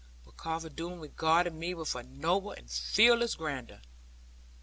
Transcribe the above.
But Carver Doone regarded me with a noble and fearless grandeur.